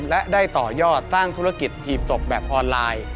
และได้ต่อยอดสร้างธุรกิจหีบศพแบบออนไลน์